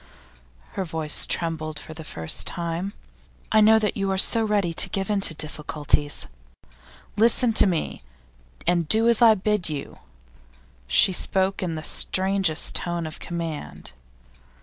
Her voice trembled for the first time. 'I know that you are so ready to give in to difficulties. Listen to me, and do as I bid you.' She spoke in the strangest tone of command.